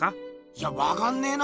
いやわかんねえな。